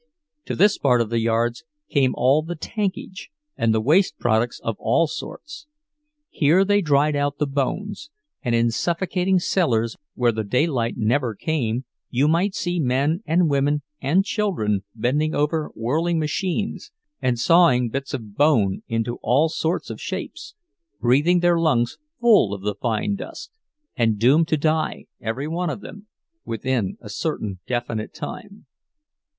To this part of the yards came all the "tankage" and the waste products of all sorts; here they dried out the bones,—and in suffocating cellars where the daylight never came you might see men and women and children bending over whirling machines and sawing bits of bone into all sorts of shapes, breathing their lungs full of the fine dust, and doomed to die, every one of them, within a certain definite time.